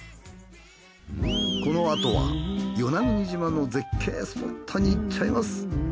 このあとは与那国島の絶景スポットに行っちゃいます。